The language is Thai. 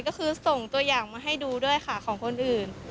ก็คือส่งตัวอย่างมาให้ดูด้วยค่ะของคนอื่น